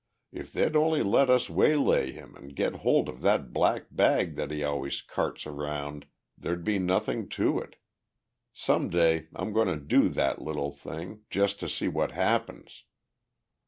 If they'd only let us waylay him and get hold of that black bag that he always carts around there'd be nothing to it. Some day I'm going to do that little thing, just to see what happens."